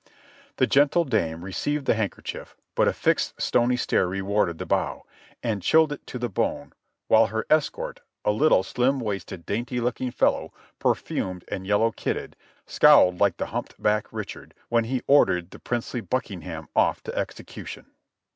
The gentle dame re ceived the handkerchief, but a fixed, stony stare rewarded the bow, and chilled it to the bone, while her escort, a little, slim waisted, dainty looking fellow, perfumed and yellow kidded, scowled like the humpedback Richard when he ordered the princely Buckingham ofif to execution.